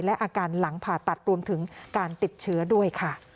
และอาการหลังผ่าตัดรวมถึงการติดเชื้อด้วยค่ะ